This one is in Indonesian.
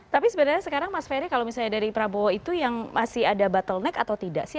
tapi sebenarnya sekarang mas ferry kalau misalnya dari prabowo itu yang masih ada bottleneck atau tidak sih